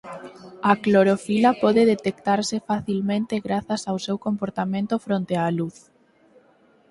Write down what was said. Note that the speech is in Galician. A clorofila pode detectarse facilmente grazas ao seu comportamento fronte á luz.